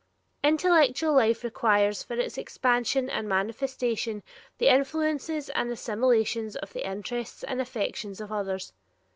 Intellectual life requires for its expansion and manifestation the influences and assimilation of the interests and affections of others.